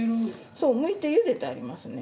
そうむいてゆでてありますね。